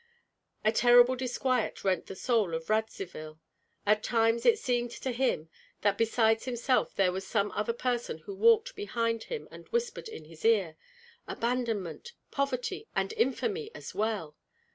A terrible disquiet rent the soul of Radzivill. At times it seemed to him that besides himself there was some other person who walked behind him and whispered in his ear, "Abandonment, poverty, and infamy as well!"